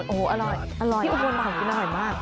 โอ้โหอร่อยที่อุบลอาหารกินอร่อยมาก